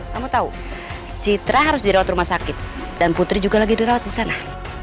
kamu tau citra harus dirawat rumah sakit dan putri juga lagi dirawat disana